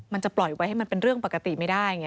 มันจะปล่อยไว้ให้มันเป็นเรื่องปกติไม่ได้ไง